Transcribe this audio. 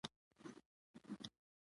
د چک د سیند پر دواړو غاړو پرته ده